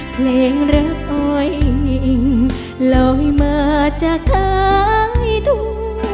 เพลงรักอ้อยลอยมาจากท้ายทุ่ง